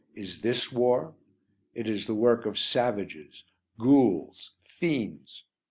Is this war? It is the work of savages, ghouls, fiends.